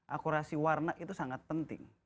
akurasi warna itu sangat penting